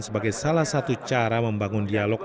sebagai salah satu cara membangun dialog